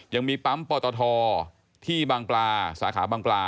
ยังมีปั๊มปอตทที่บางปลาสาขาบางปลา